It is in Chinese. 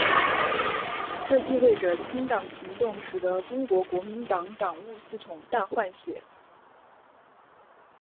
这意味着清党行动使得中国国民党党务系统大换血。